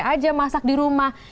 aja masak di rumah